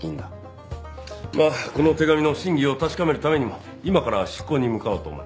まあこの手紙の真偽を確かめるためにも今から執行に向かおうと思います。